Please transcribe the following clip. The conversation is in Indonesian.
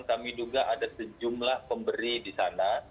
kami duga ada sejumlah pemberi di sana